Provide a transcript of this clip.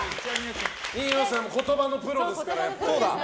二葉さんも言葉のプロですから。